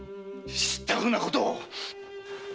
知ったふうなことを！